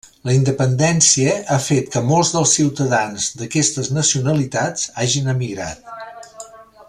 La independència ha fet que molts dels ciutadans d'aquestes nacionalitats hagin emigrat.